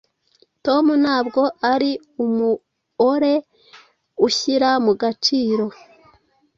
Tom ntabwo ari umuore uhyira mu gaciro